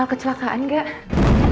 al kecelakaan nggak